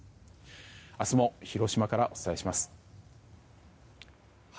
明日も広島からお伝えします。